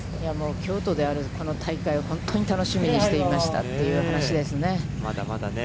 京都であるこの大会を本当に楽しみにしていましたという話ですね。